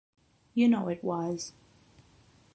You know it was.